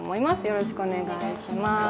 よろしくお願いします。